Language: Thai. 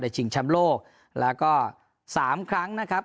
ชิงแชมป์โลกแล้วก็สามครั้งนะครับ